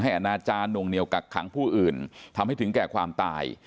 อนาจารย์นวงเหนียวกักขังผู้อื่นทำให้ถึงแก่ความตาย